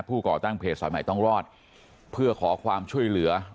ก่อตั้งเพจสายใหม่ต้องรอดเพื่อขอความช่วยเหลือ